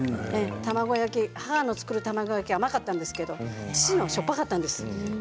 卵焼き、母の作る卵焼きは甘かったんですけれども父のはしょっぱかったんです。